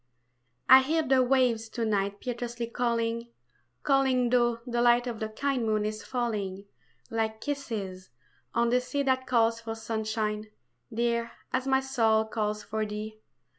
I HEAR the waves to night Piteously calling, calling Though the light Of the kind moon is falling, Like kisses, on the sea That calls for sunshine, dear, as my soul calls for thee.